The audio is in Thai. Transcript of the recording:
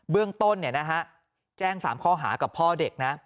เบื้องต้นเนี่ยนะฮะแจ้ง๓ข้อหากับพ่อเด็กนะฮะ